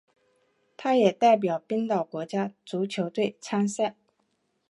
他也代表冰岛国家足球队参赛。